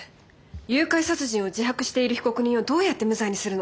誘拐殺人を自白している被告人をどうやって無罪にするの？